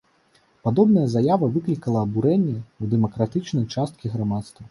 Падобная заява выклікала абурэнне ў дэмакратычнай часткі грамадства.